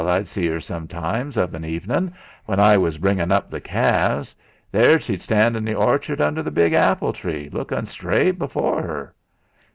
I'd zee her sometimes of an avenin' when I was bringin' up the calves; ther' she'd stand in th' orchard, under the big apple tree, lukin' straight before 'er.